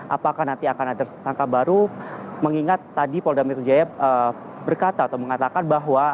apakah nanti akan ada tersangka baru mengingat tadi polda metro jaya berkata atau mengatakan bahwa